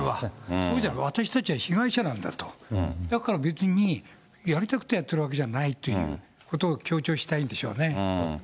そうじゃないと、私たちは被害者なんだと、だから別に、やりたくてやってるわけじゃないということを強調したいんでしょ